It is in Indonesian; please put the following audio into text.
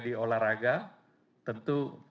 di olahraga tentu